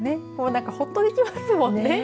何かほっとできますもんね。